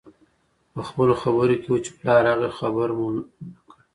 پخپلو خبرو کې وو چې پلار راغی خو خبر مو نه کړ